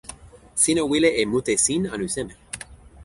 sina wile e mute sin anu seme?